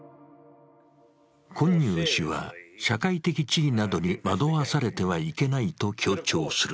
コンニュー氏は、社会的地位などに惑わされていけないと強調する。